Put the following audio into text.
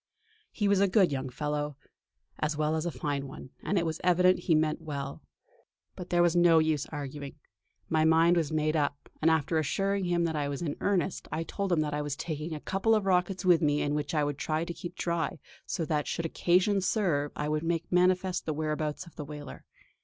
He was a good young fellow, as well as a fine one, and it was evident he meant well. But there was no use arguing; my mind was made up, and, after assuring him that I was in earnest, I told him that I was taking a couple of rockets with me which I would try to keep dry so that should occasion serve I would make manifest the whereabouts of the whaler.